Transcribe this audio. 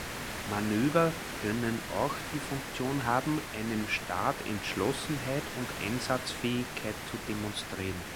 Manöver können auch die Funktion haben, einem Staat Entschlossenheit und Einsatzfähigkeit zu demonstrieren.